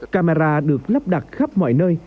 camera được lắp đặt khắp mọi nơi